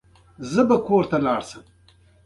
زه بو کور ته لوړ شم.